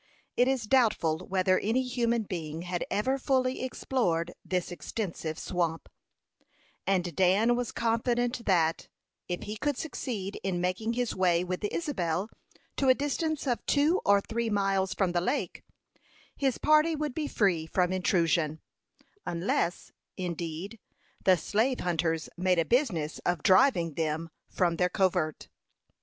It is doubtful whether any human being had ever fully explored this extensive swamp; and Dan was confident that, if he could succeed in making his way with the Isabel to a distance of two or three miles from the lake, his party would be free from intrusion, unless, indeed, the slave hunters made a business of driving them from their covert.